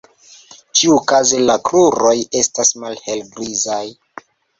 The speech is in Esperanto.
Ĉiukaze la kruroj estas malhelgrizaj.